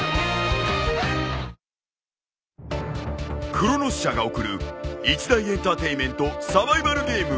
［クロノス社が送る一大エンターテインメントサバイバルゲーム］